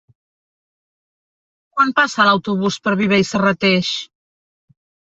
Quan passa l'autobús per Viver i Serrateix?